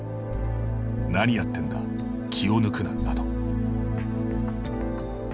「何やってんだ、気を抜くな」など。